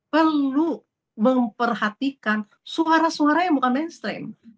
perlu memperhatikan suara suara yang bukan mainstream